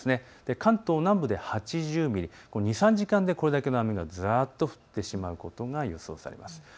関東南部で８０ミリ、２、３時間でこれだけの雨がざーっと降ってしまうことが予想されます。